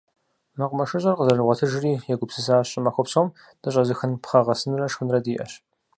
МэкъумэшыщӀэр къызэрыгъуэтыжри, егупсысащ: щӀымахуэ псом дыщӀэзыхын пхъэ гъэсынрэ шхынрэ диӀэщ.